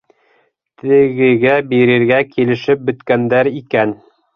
Тегегә бирергә килешеп бөткәндәр икән.